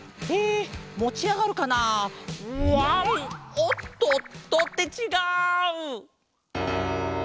おっとっと。ってちがう！